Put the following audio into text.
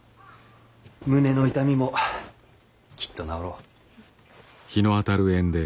胸の痛みもきっと治ろう。